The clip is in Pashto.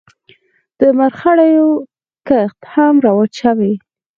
د مرخیړیو کښت هم رواج شوی.